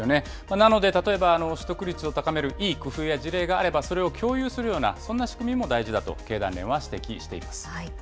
なので、例えば取得率を高めるいい工夫や事例があればそれを共有するような、そんな仕組みも大事だと経団連は指摘しています。